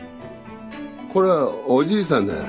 これはおじいさんだよ。